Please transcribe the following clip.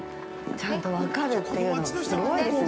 ◆ちゃんと分かるっていうのがすごいですね。